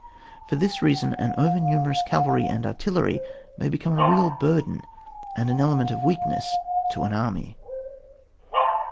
For this reason, an over numerous cavalry and artillery may become a real burden, and an element of weakness to an army.